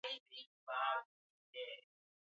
Nilianza kazi Septemba